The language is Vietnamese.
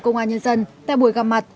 công an nhân dân tại buổi gặp mặt